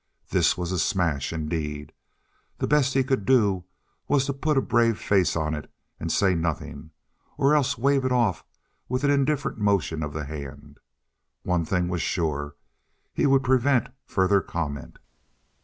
This was a smash, indeed. The best he could do was to put a brave face on it and say nothing, or else wave it off with an indifferent motion of the hand. One thing was sure—he would prevent further comment.